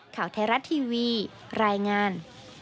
ข่าวไทยรัฐทีวีรายงาน